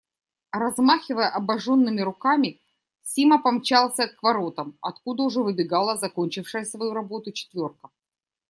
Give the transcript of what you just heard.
Размахивая обожженными руками, Сима помчался к воротам, откуда уже выбегала закончившая свою работу четверка.